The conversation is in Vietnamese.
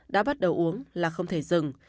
đã bắt đầu uống là không thể dừng